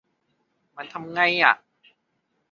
มันทำไงอะ